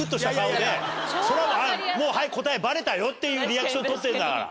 はい答えバレたよっていうリアクション取ってるんだから。